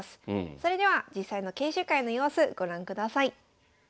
それでは実際の研修会の様子ご覧ください。